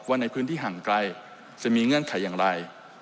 ว่าในพื้นที่ห่างไกลจะมีเงื่อนไขอย่างไร